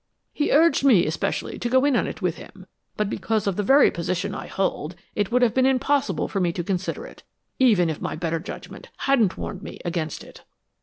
He urged me especially to go in on it with him, but because of the very position I hold, it would have been impossible for me to consider it, even if my better judgment hadn't warned me against it."